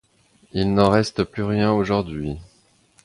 Il n’en reste plus rien aujourd’hui.